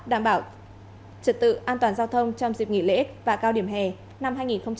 đảm bảo trật tự an toàn giao thông trong dịp nghỉ lễ và cao điểm hè năm hai nghìn hai mươi